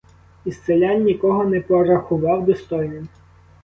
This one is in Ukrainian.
Із селян нікого не порахував достойним.